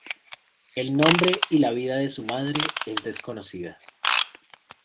El nombre y la vida de su madre es desconocida.